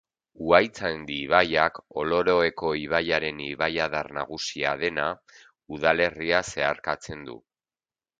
Uhaitzandi ibaiak, Oloroeko ibaiaren ibaiadar nagusia dena, udalerria zeharkatzen du.